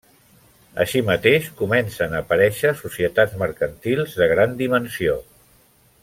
Així mateix comencen a aparèixer societats mercantils de gran dimensió.